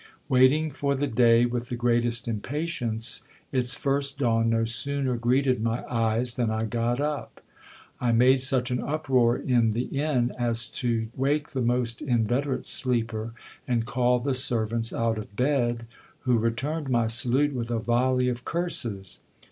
Wait ing for the day with the greatest impatience, its first dawn no sooner greeted my eyes, than I got up. I made such an uproar in the inn, as to wake the most inveterate sleeper, and called the servants out of bed, who returned my salute with a volley of curses.